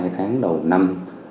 hai tháng đầu năm hai nghìn hai mươi